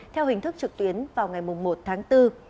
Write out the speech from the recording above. theo hình thức trực tuyến vào ngày một tháng bốn